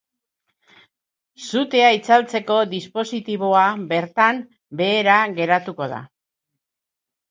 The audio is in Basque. Sutea itzaltzeko dispositiboa bertan behera geratu da.